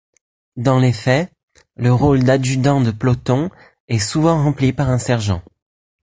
Dans les faits, le rôle d'adjudant de peloton est souvent rempli par un sergent.